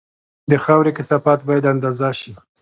د خاورې کثافت باید اندازه شي